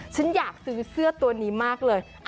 ฉันอยากซื้อเสื้อตัวนี้มากเลย